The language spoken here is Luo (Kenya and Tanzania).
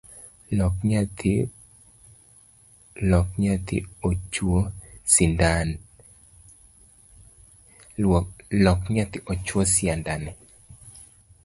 Lok nyathi ochuo siandane